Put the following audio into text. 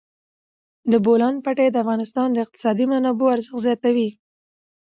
د بولان پټي د افغانستان د اقتصادي منابعو ارزښت زیاتوي.